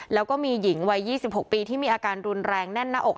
แล้วก็มีหญิงวัย๒๖ปีที่มีอาการรุนแรงแน่นหน้าอก